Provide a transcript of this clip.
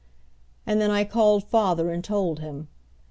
And then I called father and told him.